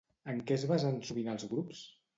En què es basen sovint els grups?